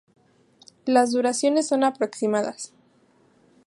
Las duraciones son aproximadas.